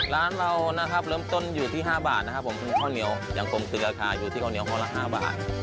ร้านเรานะครับเริ่มต้นอยู่ที่๕บาทนะครับผมข้าวเหนียวอย่างกลมคือราคาอยู่ที่ข้าวเหนียวข้อละ๕บาท